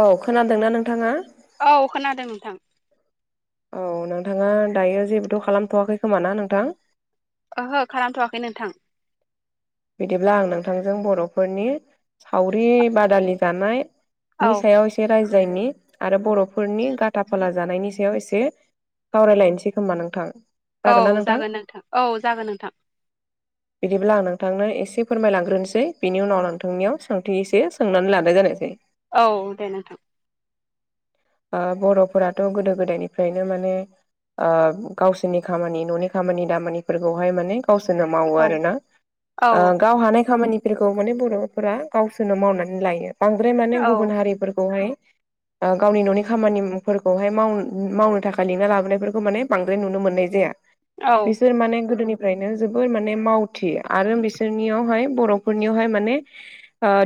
औ खोनादोंना नोंथांङा औ खोनादों नोंथां औ नोंथांङा दायो जेबोथ' खालामथ'वाखै खोमा ना नोंथां ओहो खालामथ'वाखै नोंथां बिदिब्ला आं नोंथांजों बर'फोरनि सावरि बादालि जानाय औ नि सायाव एसे रायजायनि आरो बर'फोरनि गथा फाला जानायनि सायाव एसे सावरायलायनोसै खोमा नोंथां औ जागोन नोंथां औ जागोन नोंथां बिदिबो लानो नोंथांनो एसे फोरमायलांग्रोनोसै बिनि उनाव नोंथांनियाव सोंथि एसे सोंनानै लानाय जानायसै औ दे नोंथां बर'फोराथ' गोदो गोदायनिफ्रायनो माने गावसोरनि खामानि न'नि खामानि दामानिफोरखौहाय माने गावसोरनो मावो औ आरोना औ गाव हानाय खामानिफोरखौ माने बर'फोरा गावसोरनो मावनानै लायो। बांद्राय माने औ गुबुन हारिफोरखौहाय गावनि न'नि खामानिफोरखौहाय मावनो थाखाय लिंना लाबोनायफोरखौ माने बांद्राय नुनो मोननाय जाया। औ बिसोर माने गोदोनिफ्रायनो जोबोर माने मावथि आरो बिसोरनियावहाय बर'फोरनियावहाय माने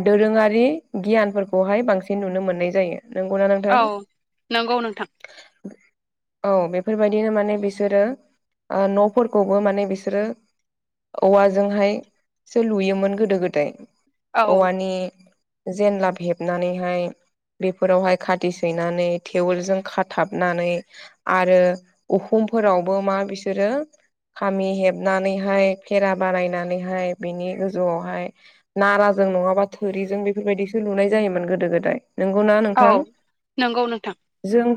दोरोंङारि गियानफोरखौहाय बांसिन नुनो मोननाय जायो। नंगौना औ नोंथां नंगौ नोंथां औ बेफोरबायदिनो माने बिसोरो न'फोरखौबो माने बिसोरो औवाजोंहायसो लुयोमोन गोदो गोदाय औ औवानि जेनलाब हेबनानैहाय बेफोरावहाय खाथि सैनानै थेवोलजों खाथाबनानै आरो उहुमफोरावबो मा बिसोरो खामि हेबनानैहाय खेरा बानायनानैहाय बिनि गोजौआवहाय नाराजों नंङाबा थोरिजों बेफोरबायदिसो लुनाय जायोमोन गोदो गोदाय नंगौना औ नोंथां नंगौ नोंथां जों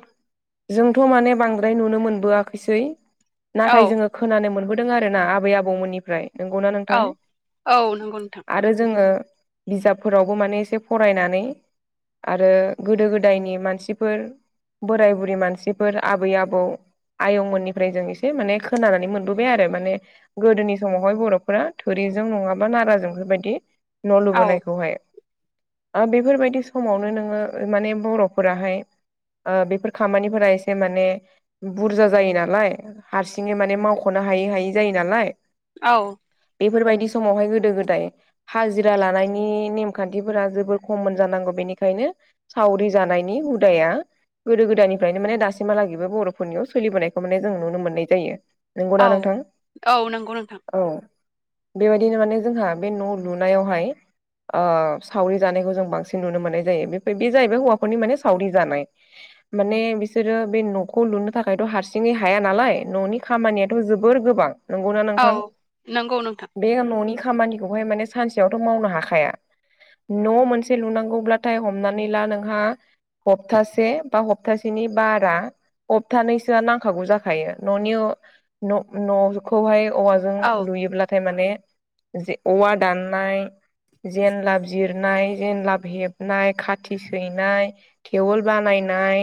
जोंथ माने बांद्राय नुनो मोनबोआखैसै नाथाय औ जोंङो खोनानो मोनबोदों आरोना आबै आबौमोननिफ्राय नोंगौना नोंथां औ औ नंगौ नोंथां आ रो जोंङो बिजाबफोरावबो माने एसे फरायनानै आरो गोदो गोदायनि मानसिफोर बोराय बुरै मानसिफोर आबै आबौ आयंमोननिफ्राय जों एसे माने खोनानानै मोनबोबाय आरो माने गोदोनि समाव बहाय बर'फोरा थोरिजों नंङाबा नाराजों बेफोरबायदि न' औ लुबोनायखौहाय बेफोरबायदि समावनो नोंङो माने बर'फोराहाय ओ बेफोर खामानिफोरा एसे माने बुरजा जायो नालाय हारसिङै माने मावखनो हायै हायै जायो नालाय औ बेफोरबायदि समावहाय गोदो गोदाय हाजिरा लानायनि नेमखान्थिफोरा जोबोर खममोन जानांगौ बेनिखायनो सावरि जानायनि हुदाया गोदो गोदायनिफ्रायनो माने दासिमहालागैबो बर'फोरनियाव सोलिबोनायखौ माने जों नुनो मोननाय जायो औ नंगौना नोंथां औ नंगौ नोंथां औ बेबायदिनो माने जोंहा बे न' लुनायावहाय ओ सावरि जानायखौ जों बांसिन नुनो मोननाय जायो बे जाहैबाय हौवाफोरनि माने सावरि जानाय माने बिसोरो बे नखौ लुनो थाखायथ हारसिङै हाया नालाय न'नि खामानियाथ जोबोर गोबां नंगौना औ नोंथां नंगौ नोंथां बे न'नि खामानिखौहाय माने सानसेयावथ मावनो हाखाया न' मोनसे लुनांगौब्लाथाय हमनानै ला नोंहा हप्तासे बा हप्तासेनि बारा हबथानैसोआ नांखागौ जाखायो न'नि न'खौहाय औ वाजों औ लुयोब्लाथाय माने औवा दाननाय जेनलाब जिरनाय जेनलाब हेबनाय खाथि सैनाय थेवोल बानायनाय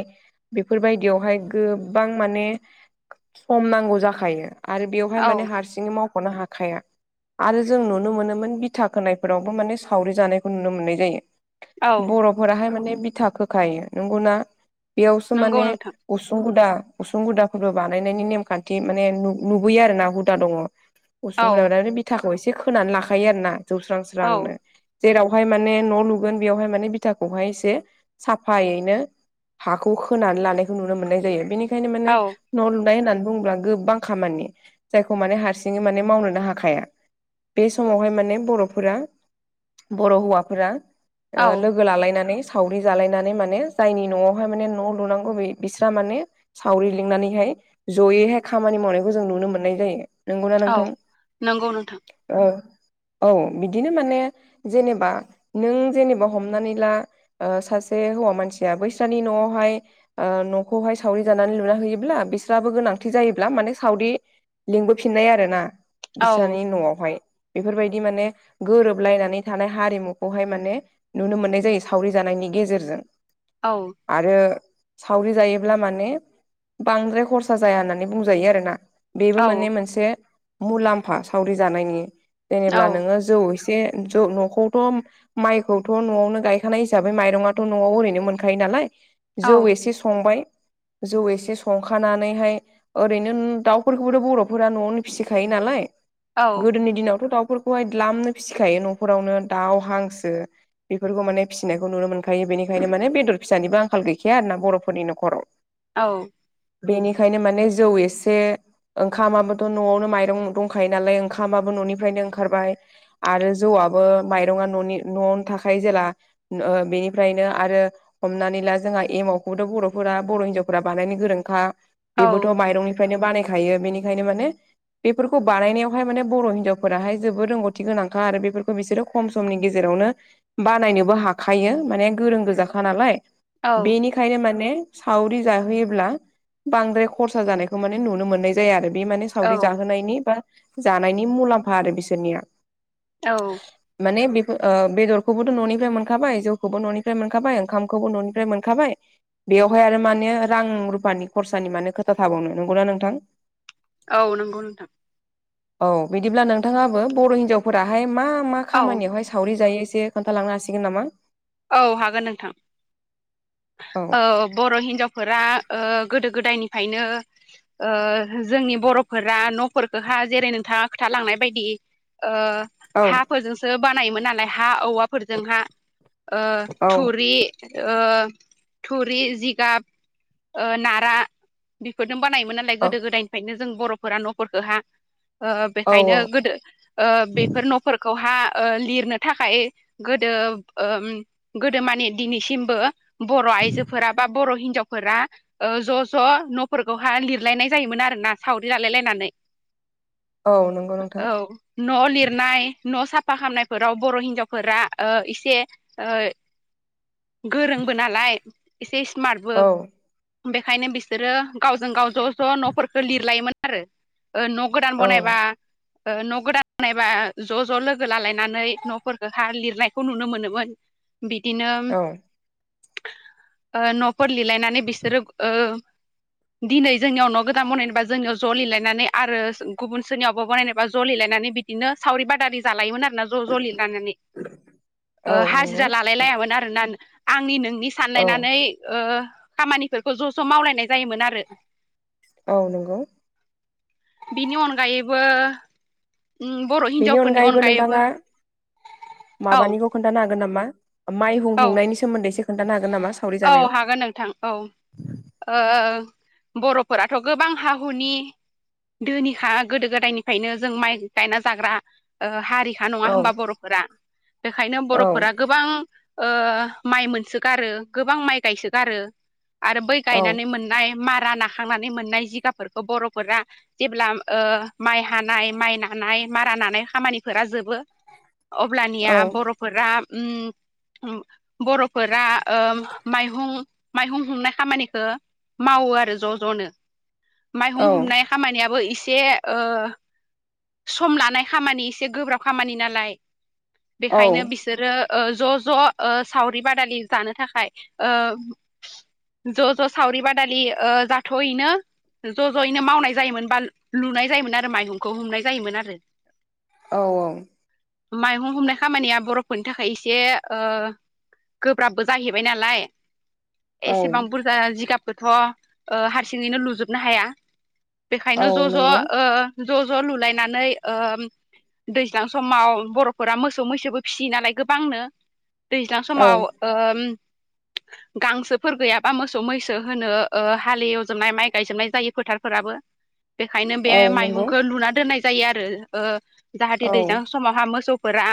बेफोरबायदियावहाय गोबां माने सम नांगौ जाखायो आरो बेवहाय औ माने हारसिङै मावखनो हाखाया आरो जों नुनो मोनोमोन बिथा खोनायफोरावबो माने सावरि जानायखौ नुनो मोननाय जायो औ बर'फोराहाय माने बिथा खोखायो नंगौना बेयावसो नंगौ माने नोंथां उसुं गुदा उसुं गुदाफोरबो बानायनायनि नेमखान्थि माने नुबोयो आरोना हुदा दङ उसुंखौ औ लानानै बिथाखौ एसे खोनानै लाखायो आरोना जौस्रां औ स्रांनो जेरावहाय माने न' लुगोन बेयावहाय माने बिथाखौहाय एसे साफायैनो हाखौ खोनानै लानायखौ नुनो मोन्नाय जायो बेनि खायनो माने औ न' लुनाय होननानै बुंङोब्ला गोबां खामानि जायखौ मान हारसि सिङै माने मावनोनो हाखाया बे समावहाय माने बर'फोरा बर' हौवाफोरा ओ औ लोगो लोगो लालायनानै सावरि जालायनानै माने जायनि न'आवहाय माने न' लुनांगौ बिस्रा माने सावरि लिंनानैहाय जयैहाय खामानि मावनायखौ जों नुनो मोननाय जायो नंगौना औ नोंथां नंगौ नोंथां औ औ बिदिनो माने जेनेबा नों जेनेबा हमनानै ला ओ सासे हौवा मानसिया बैस्रानि न'आवहाय ओ न'खौहाय सावरि जानानै लुना होयोब्ला बिसोराबो गोनांथि जायोब्ला माने सावरि लिंबो फिननाय आरोना औ बिस्रानि न'आवहाय बेफोरबायदि माने गोरोबलायनानै थानाय हारिमुखौहाय माने नुनो मोननाय जायो सावरि जानायनि गेजेरजों औ आरो सावरि जायोब्ला माने बांद्राय खरसा जाया होननानै बुंजायो आरोना बेबो औ माने मोनसे मुलाम्फा सावरि जानायनि औ जेनेब्ला नोङो जौ एसे जौ न'खौथ' माइखौथ' न'आवनो गायखानाय हिसाबै माइरङाथ' न'आव ओरैनो मोनखायो नालाय जौ औ एसे संबाय। जौ एसे संखानानैहाय ओरैनो दाउफोरखौबोथ बर' दाफोरा न'आवनो फिसिखायो नालाय औ गोदोनि दिनावथ' दाउफोर खौहाय दलामनो फिसिखायो न'खरावनो दाउ हांसो बेफोरखौ माने फिसिनायखौ नुनो मोनखायो बेनिखायनो माने बेदर फिसानिबो आंखाल गैखाया आरोना बर'फोरनि नखराव औ। बेनिखायनो माने जौ एसे ओंखामाबोथ' न'आवनो माइरं दंखायो नालाय ओंखामाबो न'निफ्रायनो ओंखारबाय आरो जौआबो माइरङा न'नि न'नि थाखाय जेला बेनिफ्रायनो आरो। हमनानै ला जोंहा एमव खौबोथ' बर'फोरा बर' हिनजावफोरा बानायनो गोरोंखा औ बेबोथ' माइरंनिफ्रायनो बानायखायो बेनिखायनो माने बेफोरखौ बानायनायावहाय माने बर' हिनजावफोराहाय जोबोद रोंगौथि गोनांखा आरो बेफोरखौ बिसोरो खम समनि गेजेरावनो बानायनोबो हाखायो माने गोरों गोजाखा नालाय औ बेनि ओंखायनो माने सावरि जाहोयोब्ला बांद्राय खरसा जानायखौ माने नुनो मोननाय जाया आरो। बे माने सावरि जाहोनायनि बा जानायनि मुलाम्फा आरो बिसोरनिया औ। माने बेफोर बेदरखौबोथ' न'निफ्राय मोनखाबाय जौखौबो न'निफ्राय मोनखाबाय ओंखामखौबो न'निफ्राय ओमफ्राय मोनखाबाय बेवहाय आरो माने रां रुफानि खरसानि माने खोथा थाबावनो नंगौना नोंथां। औ नंगौ नोंथां। औ बिदिब्ला नोंथाङाबो बर' हिनजावफोराहाय मा मा औ खामानियावहाय सावरि जायो एसे खोन्थालांनो हासिगोन नामा? औ हागोन नोंथां औ बर' हिनजाव फोर गोदो गोदायनिफायनो जोंनि बर'फोरा न'फोरखौहा जेरै नोंथाङा खोथालांनाय बायदि औ हाफोरजोंसो बानायोमोन नालाय हा औवाफोरजोंहा ओ औ थुरि थुरि जिगाब नारा बेफोरजों बानायोमोन नालाय गोदो औ गोदायनिफ्रायनो जों बर'फोरा न'फोरखौहा औ बेखायनो औ गोदो बेफोर न'फोरखौहा लिरनो थाखाय गोदो गोदो मानि दिनैसिमबो बर' आइजोफोरा बा बर' हिनजाव फोरा ज' ज' न'फोरखौहाय लिरलायनाय जायोमोन आरोना सावरि लालायलायनानै औ नंगौ नोंथां औ। न' लिरनाय न' साफा खालामामनायफोराव बर' हिनजावफोरा एसे गोरोंबो नालाय एसे स्मार्टबो औ बेखायनो बिसोरो गावजों गाव ज' ज' न'फोरखौ लिरलायोमोन आरो गोदान औ बानायबा न' गोदान बानायबा ज' ज' लोगो लालायनानै न'फोरखौ हा लिरनायखौ नुनो मोनोमोन। बिदिनो औ न'फोर लिलायनानै बिसोरो दिनै जोंनियाव न' गोदान बनायनोबा जोंनियाव ज' लिरायनानै आरो गुबुन सोरनियावबो बनायनोबा ज' लिलायनानै बि बिदिनो सावरि बादारि जालायोमोन आरोना। ज' ज' लिलानानै औ नंगौ हाजिरा लालायलायामोन आरोना आंनि नोंनि औ सानलायनानै खामानिफोरखौ ज' ज' मावलायनाय जायोमोन आरो औ नंगौ। बिनि अनगायैबो बर' बेनि हिनजावफोरनि अनगायैबो नोंथाङा औ माबानिखौ खोनथानो हागोन नामा माइहुं औ हुंनायनि सोमोनदै इसे खोन्थानो हागोन नामा? सावरि औ जानायाव हागोन नोंथां। औ बर'फोराथ' गोबां हा हुनि धोनिखा गोदो गोदायनिफ्रायनो जों माइ गायना जाग्रा हारि ओ खा नङा औ होमबा बर'फोरा बेखायनो औ बर'फोरा गोबां ओ गोबां माइ मोनसोगारो गोबां माइ गायसोगारो आरो बै औ गायनानै मोननाय मारा नाखांनानै मोननाय जिगाबफोरखौ बर'फोरा जेब्ला माइ हानाय माइ नानाय मारा नानाय खामानिफोरा जोब अब्लानिया औ बर'फोरा बर'फोरा माइहुं माइहुं हुंनाय खामानिखौ मावो आरो ज' ज'नो। माइहुं औ हुमनाय खामानियाबो एसे ओ सम लानाय खामानि एसे गोब्राब खामानि नालाय। औ बेखायनो बिसोरो ज' ज' सावरि बादालि जानो थाखाय। ज' ज' सावरि बादालि जाथ'हैनो ज' ज'यैनो मावनाय जायोमोन बा लुनाय जायोमोन आरो माइहुंखौ हुमनाय जायोमोन आरो। औ माइहुं हुमनाय खामानिया बर'फोरनि थाखाय इसे गोब्राबबो जाहै बाय नालाय औ एसेबा बुर जा जिगाबखौथ' हारसिङैनो लुजोबनो हाया। औ बेखायनो ज' नंगौ ज' ज' ज' लुलायनानै ओ दैज्लां समाव बर'फोरा मोसौ मैसोबो फिसियो नालाय गोबांनो। दैज्लां औ समाव ओ गांसोफोर गैयाबा मोसौ मैसो होनो हाल एवजोबनाय माइ गायजोबनाय जायो फोथारफोराबो। बेखायनो बे औ नंगौ माइहुंखो लुना दोननाय जायो आरो जाहाथे ओ औ दैज्लां समावहा मोसौफोरा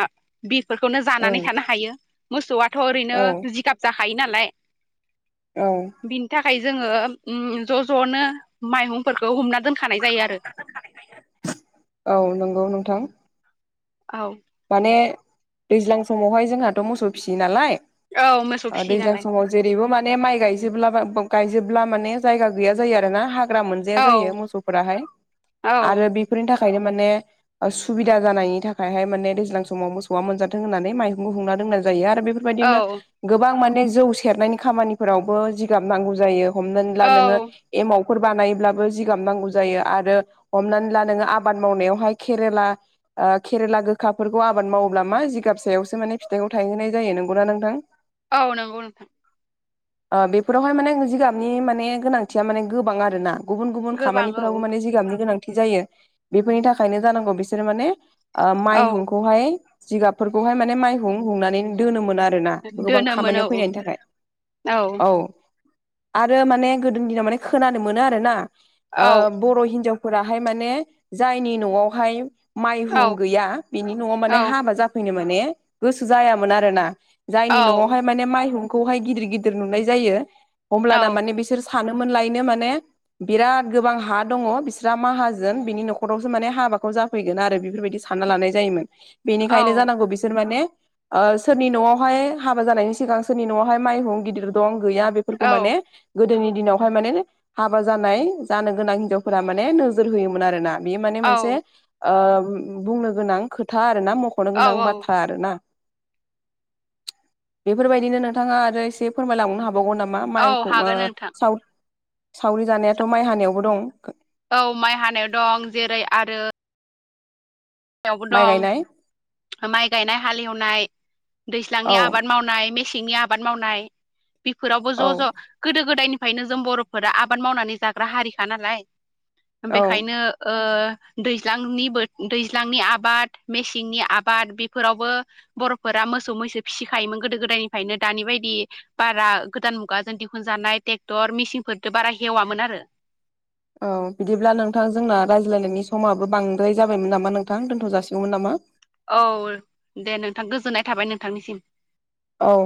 बिरफोरखौनो जानानै ओं थानो हायो ओ मोसौआथ' ओरैनो औ जिगाब जाखायो नालाय औ। बिनि थाखाय जोङो ज' ज'नो माइहुंफोरखौ हुमना दोनखानाय जायो आरो। औ नंगौ नोंथां। औ‌। माने दैज्लां समावहाय जोंहाथ' मोसौ फिसियो नालाय औ मोसौ फिसियो दैज्लां नालाय समाव। जेरैबो माने माइ गायजोबब्ला गायजोबब्ला माने जायगा गैया जायो आरो ना हा मोनजाया‌ औ जायो मोसौफोरा हाय औ आरो बि नि थाखायनो माने सुबिदा जानायनि थाखायहाय माने दैज्लां समाव मोसौआ मोनजाथों होननानै माइहुं हुंना दोननाय जायो आरो बेफोर बायदिनो औ गोबां माने जौ सेरनायनि खामानिफोरावबो जिगाब नांगौ जायो हमनानै ला औ नोङो। एमावफोर बानायब्लाबो जिगाब नांगौ जायो आरो हमनानै ला नोङो आबाद मावनायावहाय केरेला केरेला गो खाखाफोरखौ आबाद मावोब्ला मा जिगाब फसायावसो माने फिथाइखौ थायहोनाय जायो नंगौना नोंथां। औ नंगौ नोंथां। बेफोरावहाय माने जिगाबनि माने गोनांथिया माने गोबां आरो ना। गुबुन गुबुन गोबां औ खामानिफोरावबो माने जिगाबनि गोनांथि जायो बेफोरनि थाखायनो जानांगौ बिसोरो माने। औ माइहुंखौहाय जिगाबफोरखौहाय माने माइहुं हुंनानै दोनोमोन आरोना गोबां दोनोमोन औ खामानियाव फैनायनि थाखाय औ। आरो माने गोदोनि दिनाव माने खोनानो मोनो आरोना औ बर' हिनजाव फोराहाय माने जायनि न'आवहाय औ माइहुं गैया बिनि न'आव माने औ हा जाैनो माइ गोजोन आरोना औ जायनि'आव माने माइहुंखौहाय गिदिर गिदिर नुनाय जायो औ होनमब्लाना माने बिसोर सानोमोन लायनो माने बिराद गोबां हा दङ बिस्रा माहाजोन बिनि न'खरावसो माने हाबाखौ जा फैगोन आरो बेफोरबायदि सानना लानाय जायोमोन बेनिखायनो जानांगौ बिसोर माने ओ सोरनि न'आवहाय हाबा जानायनि सिगां सोरनि न'आवहाय माइहुं गिदिर दं गैया बेफोरखौ औ माने गोदोनि दिनावहाय माने हाबा जानाय जानो गोनां हिनजावफोरा माने नोजोर होयोमोन आरोना बे माने मोनसे ओ बुंनो गोनां खोथा आरोना म खनो औ गोनां बाथ्रा आरोना बेफोरबायदिनो नोंथाङा आरो एसे फोरमायलांनो हा बावगोन नामा औ माइखौ हागोन नोंथां सावरि जानायाथ माइ हानायावबो दं औ माइ हानायाव दं जेरै आरो बो माइ गायनाय दं माइ गायनाय हालेवनाय दैज्लांनि औ आबाद मावनाय मेसेंनि आबाद मावनाय बेफोरावबो औ ज' ज' गोदो गोदायनिफ्रायनो जों बर'फोरा आबाद मावनानै जाग्रा हारिखा नालाय औ बेखायनो ओ दैज्लांनि बो दै ज्लांनि आबाद मेसेंनि आबाद बेफोरावबो बर'फोरा मोसौ मैसो फिसिखायोमोन गोदो गोदायनिफ्रायनो दानि बायदि बारा गोदान मुगाजों दिहुनजानाय ट्रेक्टर मेसिनफोरदो बारा हेवामोन आरो औ बिदिब्ला नोंथां जोंना रायज्लायनायनि समाबो बांद्राय जाबायमोन नामा नोंथां दोनथ जासिगौमोन नामा औ दे नोंथां गोजोननाय थाबाय नोंथांनिसिम औ